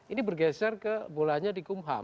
ini bergeser ke bolanya di kumham